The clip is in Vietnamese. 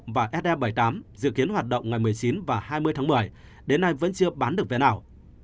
ba trăm năm mươi sáu và se bảy mươi tám dự kiến hoạt động ngày một mươi chín và hai mươi tháng một mươi đến nay vẫn chưa bán được vé nào